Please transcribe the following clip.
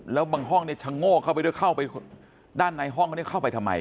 แล้วบางห้องเนี่ยชะโง่เข้าไปด้านในห้องเขาเนี่ยเข้าไปทำไม